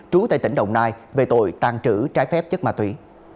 trú tại tỉnh đồng nai về tội tàng trữ trái phép chất ma túy